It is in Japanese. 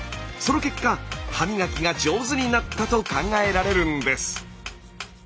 その結果歯磨きが上手になったと考えられるんです。